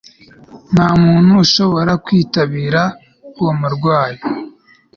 Nta muntu ushobora kwitabira uwo murwayi